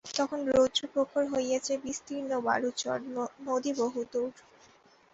তখন রৌদ্র প্রখর হইয়াছে– বিস্তীর্ণ বালুচর, নদী বহুদূর।